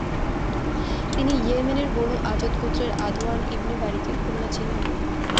তিনি ইয়েমেনের Banu Azd গোত্রের আদওয়ান ইবনে বারিকের কন্যা ছিলেন।